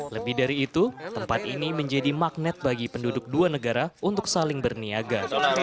lebih dari itu tempat ini menjadi magnet bagi penduduk dua negara untuk saling berniaga